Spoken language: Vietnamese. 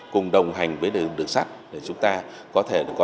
cùng đồng hành với đường sắt để chúng ta có thể có